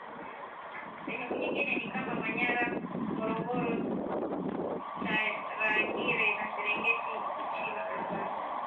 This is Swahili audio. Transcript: sehemu nyingine ni kama Manyara Ngorongoro Tarangire na Serengeti nchini Tanzania